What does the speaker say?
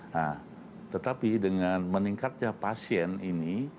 nah tetapi dengan meningkatnya pasien ini